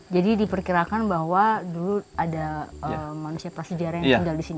jadi diperkirakan bahwa dulu ada manusia prasejarah yang tinggal disini